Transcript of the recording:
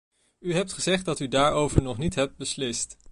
U hebt gezegd dat u daarover nog niet hebt beslist.